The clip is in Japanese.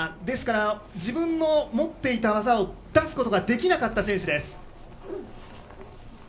ですから自分の持っていた技を出すことができなかった選手。